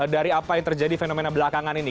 dari apa yang terjadi fenomena belakangan ini